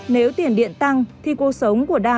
nếu tiền điện tăng thì cuộc sống của đa